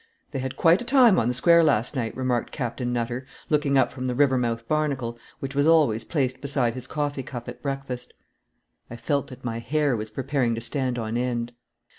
"They had quite a time on the Square last night," remarked Captain Nutter, looking up from the Rivermouth Barnacle, which was always placed beside his coffee cup at breakfast. I felt that my hair was preparing to stand on end.